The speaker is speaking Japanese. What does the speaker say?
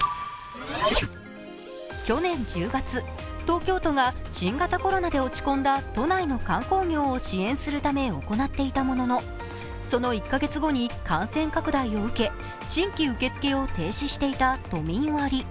去年１０月、東京都が新型コロナで落ち込んだ都内の観光業を支援するため行っていたもののその１カ月後に感染拡大を受け、新規受付を停止していた都民割。